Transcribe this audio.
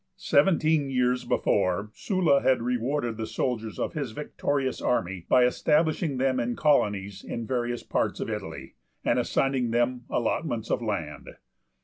Seventeen years before, Sulla had rewarded the soldiers of his victorious army by establishing them in colonies in various parts of Italy, and assigning them allotments of land.